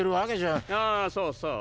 あそうそう。